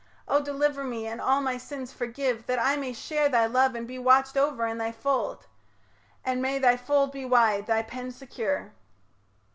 O deliver me And all my sins forgive, that I may share Thy love and be watched over in thy fold; And may thy fold be wide, thy pen secure.